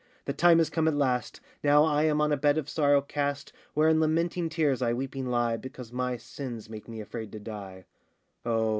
the time is come at last, Now I am on a bed of sorrow cast, Where in lamenting tears I weeping lie, Because my sins make me afraid to die: Oh!